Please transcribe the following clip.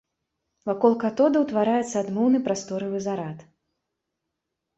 Вакол катода ўтвараецца адмоўны прасторавы зарад.